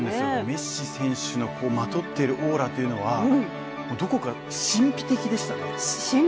メッシ選手のまとっているオーラというのはどこか神秘的でしたね。